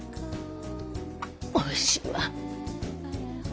おいしいわ！